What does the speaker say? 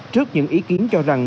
trước những ý kiến cho rằng